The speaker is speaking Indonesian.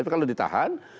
tapi kalau ditahan